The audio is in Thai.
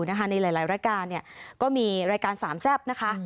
ในหลายรายการก็มีรายการสามแซ่บนะคะ